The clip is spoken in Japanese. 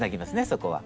そこは。